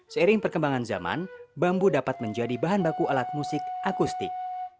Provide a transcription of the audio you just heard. seiring perkembangan zaman bambu dapat menjadi bahan baku alat musik akustik